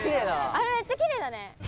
あれめっちゃきれいだね。